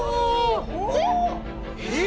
えっ！